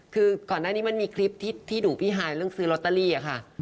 คือก่อนหน้านี้มันมีคลิปที่ดุพี่ฮายเรื่องซื้อลอตเตอรี่ค่ะ